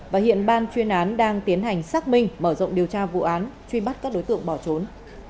và hiện ban chuyên án đang tiến hành xác minh mở rộng điều tra vụ án truy bắt các đối tượng bỏ trốn